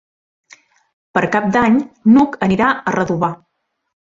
Per Cap d'Any n'Hug anirà a Redovà.